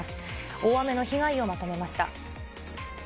大雨の被害をまとめました。